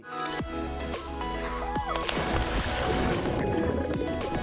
jadi kita harus berhenti berhenti berhenti